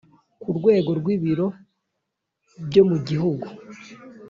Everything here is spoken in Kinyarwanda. Ku rwego rw ibiro byo mu gihugu